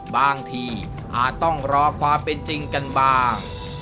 บางทีอาจต้องรอความเป็นจริงกันบ้าง